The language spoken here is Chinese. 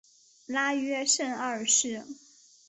拉约什二世。